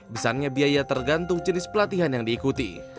besarnya biaya tergantung jenis pelatihan yang diikuti